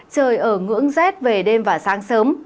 trời ở ngưỡng rét về đêm và sáng sớm